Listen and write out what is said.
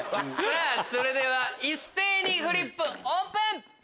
それでは一斉にフリップオープン！